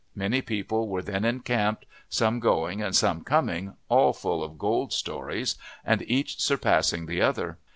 Many people were then encamped, some going and some coming, all full of gold stories, and each surpassing the other.